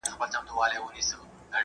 شننه باید په پوره دقت سره ترسره سي.